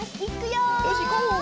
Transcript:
よしいこう！